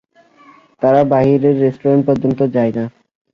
তারা বাহিরে রেস্টুরেন্টে পর্যন্ত যায় না।